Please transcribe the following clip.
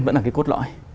vẫn là cái cốt lõi